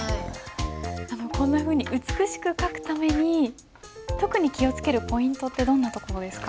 こんなふうに美しく書くために特に気を付けるポイントってどんなところですか？